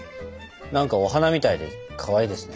何かお花みたいでかわいいですね。